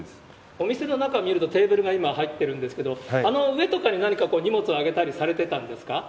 お店の中見ると、テーブルが今、入ってるんですけれども、あの上とかに何か荷物を上げたりされてたんですか？